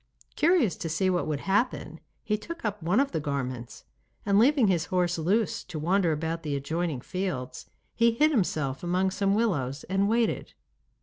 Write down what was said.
Curious to see what would happen, he took up one of the garments, and leaving his horse loose, to wander about the adjoining fields, he hid himself among some willows and waited.